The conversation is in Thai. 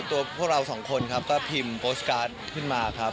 ตัวพวกเราสองคนครับก็พิมพ์โพสต์การ์ดขึ้นมาครับ